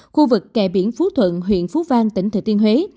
khu vực kè biển phú thuận huyện phú vang tỉnh thừa thiên huế